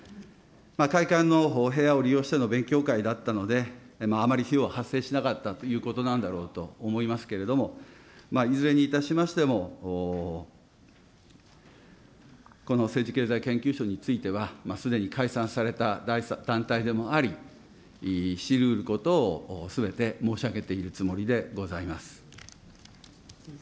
会館の部屋を利用しての勉強会だったので、あまり費用は発生しなかったということなんだろうと思いますけれども、いずれにいたしまして、この政治経済研究所については、すでに解散された団体でもあり、知りうることをすべて申し上げているつもりでございます。